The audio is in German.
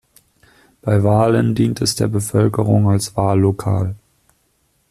Bei Wahlen dient es der Bevölkerung als Wahllokal.